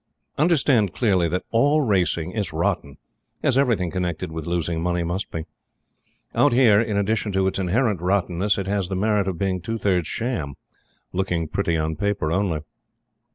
Understand clearly that all racing is rotten as everything connected with losing money must be. Out here, in addition to its inherent rottenness, it has the merit of being two thirds sham; looking pretty on paper only.